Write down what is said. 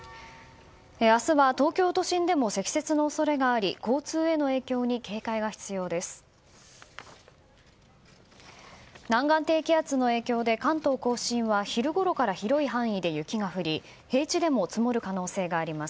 明日は東京都心でも積雪の恐れがあり交通への影響に警戒が必要です。